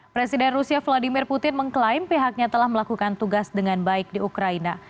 presiden rusia vladimir putin mengklaim pihaknya telah melakukan tugas dengan baik di ukraina